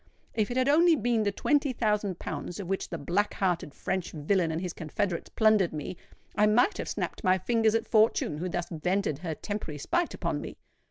If it had only been the twenty thousand pounds of which the black hearted French villain and his confederates plundered me, I might have snapped my fingers at Fortune who thus vented her temporary spite upon me!